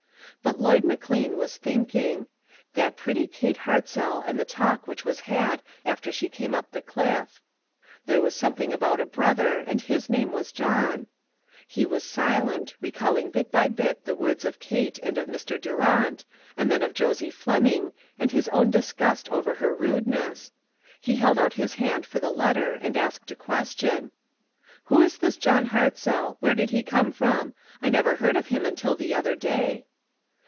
But Lloyd McLean was thinking. That pretty Kate Hartzell and the talk which was had after she came up the cliff; there was something about a brother, and his name was John. He was silent, recalling bit by bit the words of Kate and of Mr. Durant, and then of Josie Fleming and his own disgust over her rudeness. He held out his hand for the let ter and asked a question :" Who is this John Hartzell ? Where did he come from ? I never heard of him until the other day."